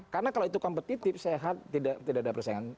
karena kalau itu kompetitif sehat tidak ada persaingannya